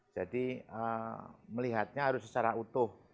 jadi melihatnya harus secara utuh